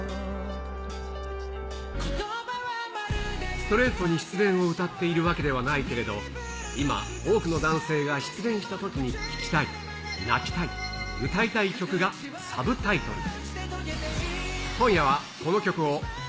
ストレートに失恋を歌っているわけではないけれど、今、多くの男性が失恋したときに聞きたい、泣きたい、歌いたい曲がＳｕｂｔｉｔｌｅ。